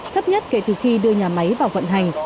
thấp nhất kể từ khi đưa nhà máy vào vận hành